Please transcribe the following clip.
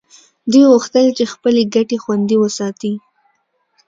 دوی غوښتل چې خپلې ګټې خوندي وساتي